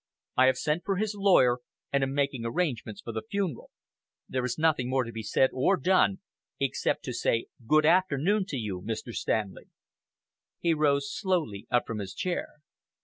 I have sent for his lawyer, and am making arrangements for the funeral. There is nothing more to be said or done, except to say good afternoon to you, Mr. Stanley," He rose slowly up from his chair.